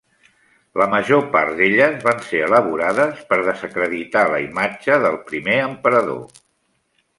La major part d'elles van ser elaborades per desacreditar la imatge del primer emperador.